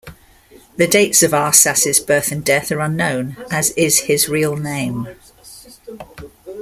The dates of Arsaces' birth and death are unknown, as is his real name.